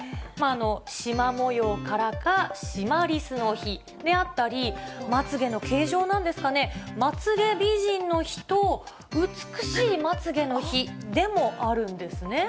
しま模様からか、シマリスの日であったり、まつげの形状なんですかね、まつげ美人の日と美しいまつげの日でもあるんですね。